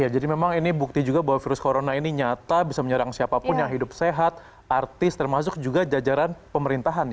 jadi memang ini bukti juga bahwa virus corona ini nyata bisa menyerang siapapun yang hidup sehat artis termasuk juga jajaran pemerintahan